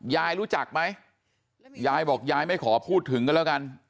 ยายรู้จักไหมยายบอกยายไม่ขอพูดถึงกันแล้วกัน